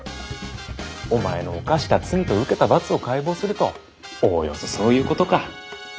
お前の犯した罪と受けた罰を解剖するとおおよそそういうことか？